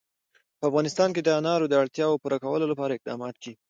په افغانستان کې د انار د اړتیاوو پوره کولو لپاره اقدامات کېږي.